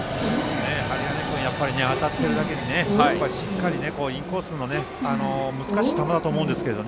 針金君、当たってるだけにしっかりインコースの難しい球だと思うんですけど